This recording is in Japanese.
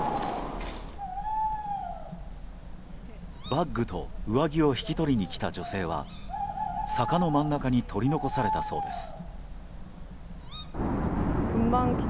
バッグと上着を引き取りに来た女性は坂の真ん中に取り残されたそうです。